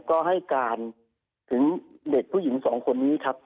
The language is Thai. ก็ให้การถึงเด็กผู้หญิงสองคนนี้ครับ